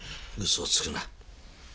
嘘をつくな。